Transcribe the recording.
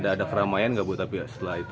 ada keramaian nggak bu tapi setelah itu